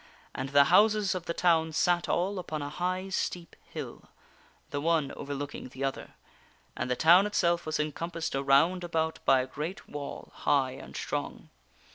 And the houses of the town sat ail upon a high, steep hill, the one overlooking the other, and the town itself was encompassed around about by a great wall, high and strong.